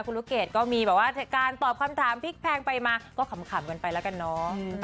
คุณลูกเกดก็มีแบบว่าการตอบคำถามพลิกแพงไปมาก็ขำกันไปแล้วกันเนาะ